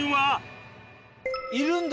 いるんだ？